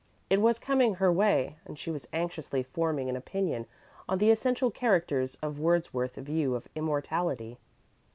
It was coming her way, and she was anxiously forming an opinion on the essential characteristics of Wordsworth's view of immortality.